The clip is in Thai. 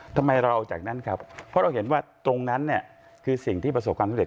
ทำไมเราเอาจากนั้นครับเพราะเราเห็นว่าตรงนั้นเนี่ยคือสิ่งที่ประสบความสำเร็